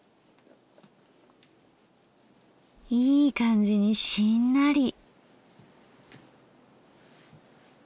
いい感じにしんなり。